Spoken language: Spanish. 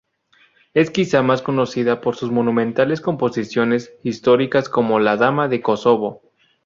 Es quizá más conocido por sus monumentales composiciones históricas, como "La dama de Kosovo".